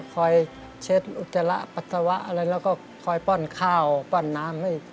คอยเช็ดอุจจาระปัสสาวะอะไรแล้วก็คอยป้อนข้าวป้อนน้ำให้